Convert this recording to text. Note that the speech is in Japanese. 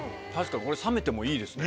これ冷めてもいいですね。